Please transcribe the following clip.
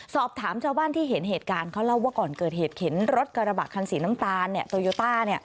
สอบถามชาวบ้านที่เห็นเหตุการณ์เขาเล่าว่าก่อนเกิดเหตุเข็นรถกระบะคันสีน้ำตาลโตโยต้า